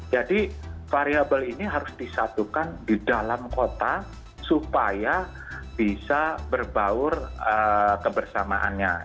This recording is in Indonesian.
jadi variabel ini harus disatukan di dalam kota supaya bisa berbaur kebersamaannya